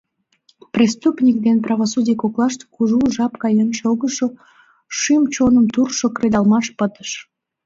Преступник ден правосудий коклаште кужу жап каен шогышо, шӱм-чоным туржшо кредалмаш пытыш.